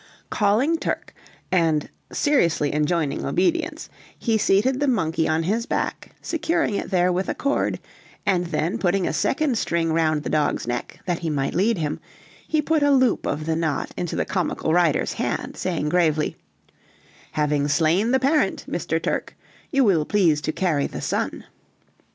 Calling Turk, and seriously enjoining obedience, he seated the monkey on his back, securing it there with a cord, and then putting a second string round the dog's neck that he might lead him, he put a loop of the knot into the comical rider's hand, saying gravely: "Having slain the parent, Mr. Turk, you will please to carry the son."